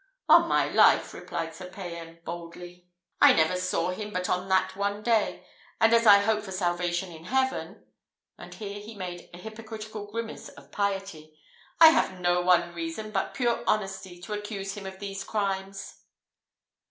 "On my life," replied Sir Payan, boldly, "I never saw him but on that one day; and as I hope for salvation in heaven" and here he made a hypocritical grimace of piety "I have no one reason, but pure honesty, to accuse him of these crimes."